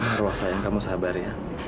marwah sayang kamu sabar ya